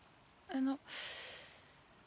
あの。